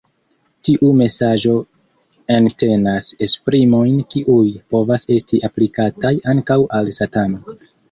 Tiu mesaĝo entenas esprimojn kiuj povas esti aplikataj ankaŭ al Satano.